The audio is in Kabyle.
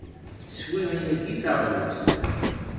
Swiɣ yagi taɣlust.